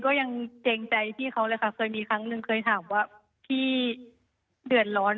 ก็ยังเกรงใจพี่เขาเลยค่ะเคยมีครั้งหนึ่งเคยถามว่าพี่เดือดร้อน